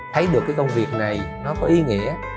thấy được cái công việc này nó có ý nghĩa